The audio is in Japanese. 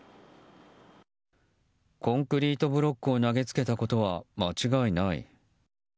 コンクリートブロックを投げつけたことは間違いない。